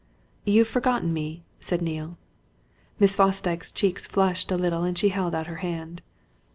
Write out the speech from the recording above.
"You've forgotten me!" said Neale. Miss Fosdyke's cheeks flushed a little and she held out her hand.